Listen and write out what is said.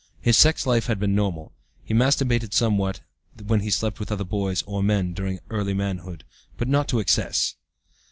His sex life has been normal. He masturbated somewhat when he slept with other boys (or men) during early manhood, but not to excess.